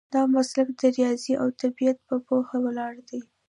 دا مسلک د ریاضي او طبیعت په پوهه ولاړ دی.